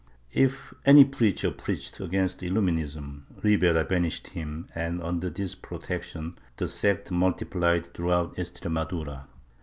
If any preacher preached against Illuminism, Ribera banished him and, under this protection, the sect multiplied throughout Extremadura.